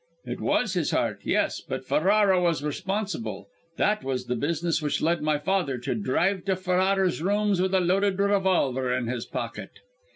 "It was his heart, yes but Ferrara was responsible! That was the business which led my father to drive to Ferrara's rooms with a loaded revolver in his pocket."